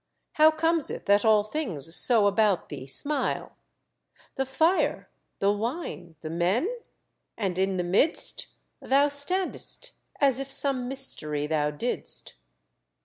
How comes it that all things so about thee smile, The fire, the wine, the men? and in the midst Thou stand'st as if some mystery thou didst.